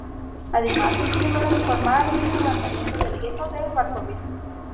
Además, fue el primero en informar del levantamiento del gueto de Varsovia.